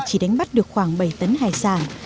chỉ đánh bắt được khoảng bảy tấn hải sản